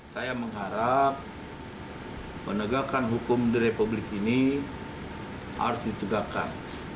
saya mengharap penegakan hukum di republik ini harus ditegakkan